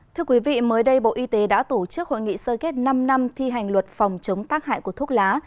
thưa quý vị mới đây bộ y tế đã tổ chức hội nghị sơ kết năm năm thi hành luật phòng chống tác hại của thuốc lá